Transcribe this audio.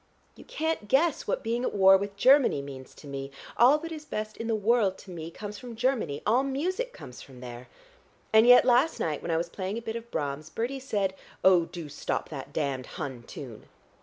You can't guess what being at war with Germany means to me. All that is best in the world to me comes from Germany; all music comes from there. And yet last night when I was playing a bit of Brahms, Bertie said, 'Oh, do stop that damned Hun tune!'